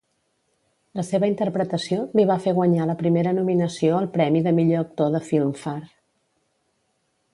La seva interpretació li va fer guanyar la primera nominació al premi de millor actor de Filmfare.